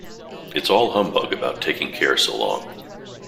It's all humbug about taking care so long.